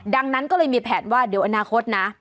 ดังนั้นก็เลยมีแผนว่าเดี๋ยวอนาคตนะ